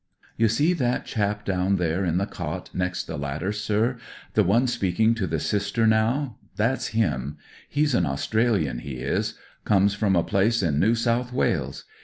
" \iHA see that chap down there in the cot next the ladder, sir, the ^e speaking to the Sister now, that's un. He's an Australian, he is; comes from a place in New South Wales.